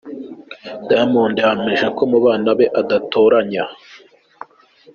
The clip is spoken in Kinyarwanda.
Diamond yahamije ko mu bana be adatoranya.